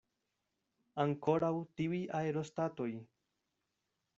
Ankoraŭ tiuj aerostatoj!